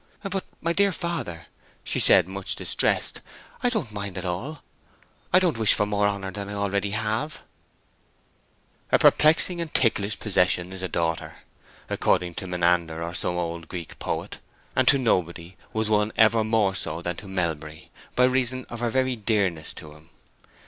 "But, my dear father," she said, much distressed, "I don't mind at all. I don't wish for more honor than I already have!" "A perplexing and ticklish possession is a daughter," according to Menander or some old Greek poet, and to nobody was one ever more so than to Melbury, by reason of her very dearness to him.